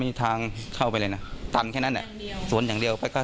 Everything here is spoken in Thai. หลังจากพบศพผู้หญิงปริศนาตายตรงนี้ครับ